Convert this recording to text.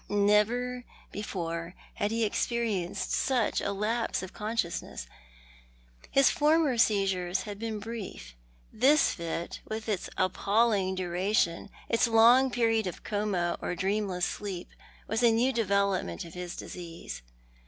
Never before liad he experienced such a lapse of consciousness. His former seizures had been brief. This fit, with its appalling duration, its long period of coma, or dreamless sleep, was a new development of his disease.